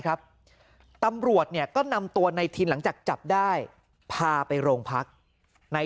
ครับตำรวจเนี่ยก็นำตัวในทินหลังจากจับได้พาไปโรงพักใน